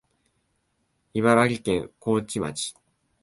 茨城県河内町